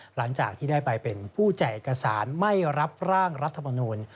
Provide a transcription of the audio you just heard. หลังจากที่ได้ไปเป็นผู้แจกเอกสารไม่รับร่างรัฐมนูล